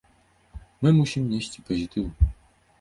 Мы мусім несці пазітыў.